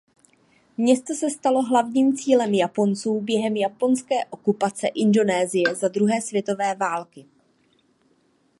Město se stalo hlavním cílem Japonců během japonské okupace Indonésie za druhé světové války.